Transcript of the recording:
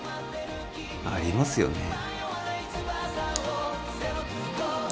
ありますよねえ？